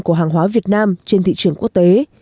của hàng hóa việt nam trên thị trường quốc tế